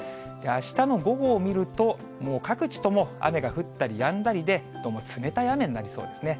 あしたの午後を見ると、もう各地とも雨が降ったりやんだりで、どうも冷たい雨になりそうですね。